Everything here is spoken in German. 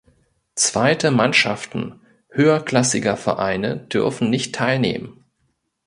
Zweite Mannschaften höherklassiger Vereine dürfen nicht teilnehmen.